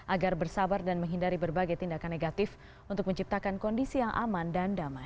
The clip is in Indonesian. agar bersabar dan menghindari berbagai tindakan negatif untuk menciptakan kondisi yang aman dan damai